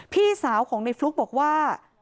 พี่สาวของในฟลุ๊กบอกว่า